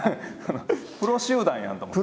プロ集団やんと思って。